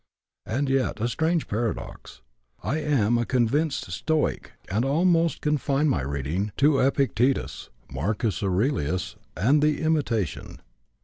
And yet, a strange paradox I am a convinced Stoic and almost confine my reading to Epictetus, Marcus Aurelius, and the 'Imitation.'